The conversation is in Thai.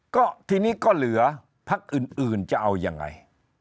ก็ทีนี้ก็เหลือพักอื่นจะเอายังไง